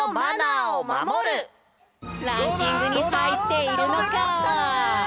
ランキングにはいっているのか？